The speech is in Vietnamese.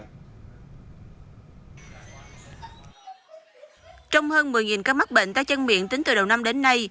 trong hơn một mươi ca mắc bệnh tay chân miệng tính từ đầu năm đến nay